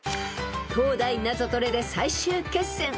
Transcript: ［東大ナゾトレで最終決戦］